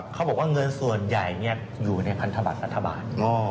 เขาบอกว่าเงินส่วนใหญ่อยู่ในพันธบัตรรัฐบาล